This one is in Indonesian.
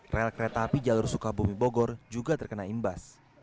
rel kereta api jalur sukabumi bogor juga terkena imbas